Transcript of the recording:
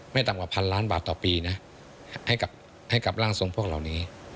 ต่ำกว่าพันล้านบาทต่อปีนะให้กับร่างทรงพวกเหล่านี้